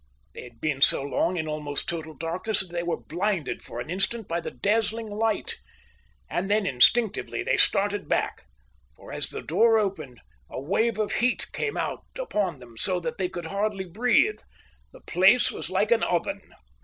They had been so long in almost total darkness that they were blinded for an instant by the dazzling light. And then instinctively they started back, for, as the door opened, a wave of heat came out upon them so that they could hardly breathe. The place was like an oven.